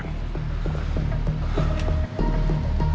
aku gak bisa berhenti